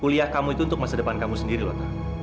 kuliah kamu itu untuk masa depan kamu sendiri loh